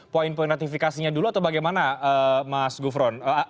poin poin ratifikasinya dulu atau bagaimana mas gufron